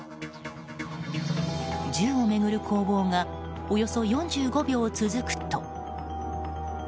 銃を巡る攻防がおよそ４５秒続くと。